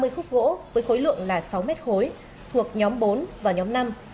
ba mươi khúc gỗ với khối lượng là sáu m khối thuộc nhóm bốn và nhóm năm